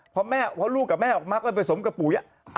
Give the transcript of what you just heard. พอลูกกับแม่ออกมาก็ไปผสมกับปุ๋ย